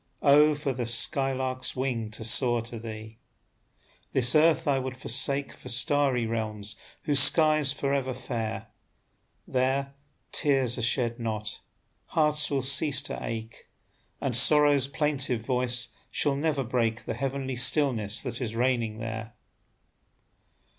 Oh, for the sky lark's wing to soar to thee! This earth I would forsake For starry realms whose sky's forever fair; There, tears are shed not, hearts will cease to ache, And sorrow's plaintive voice shall never break The heavenly stillness that is reigning there.